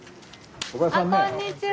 あこんにちは。